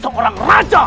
began dengan ini